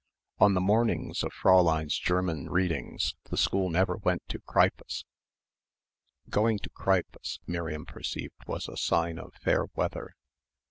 On the mornings of Fräulein's German readings the school never went to Kreipe's. Going to Kreipe's Miriam perceived was a sign of fair weather.